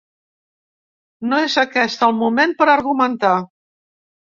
No és aquest el moment per argumentar.